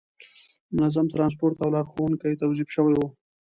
منظم ترانسپورت او لارښوونکي توظیف شوي وو.